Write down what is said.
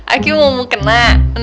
aki mau mau kena